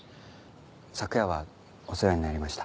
昨夜はお世話になりました。